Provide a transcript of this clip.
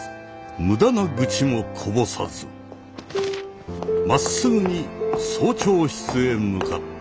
無駄な愚痴もこぼさずまっすぐに総長室へ向かった。